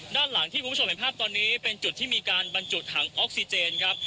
ด้านหลังที่คุณผู้ชมเห็นภาพตอนนี้เป็นจุดที่มีการบรรจุถังออกซิเจนครับ